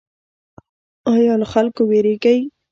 ایا له خلکو ویریږئ؟